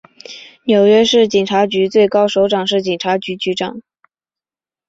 纽约市警察局最高首长是警察局长。